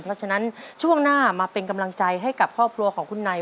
เพราะฉะนั้นช่วงหน้ามาเป็นกำลังใจให้กับครอบครัวของคุณใน